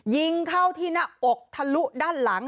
ยิงเข้าที่หน้าอกทะลุด้านหลัง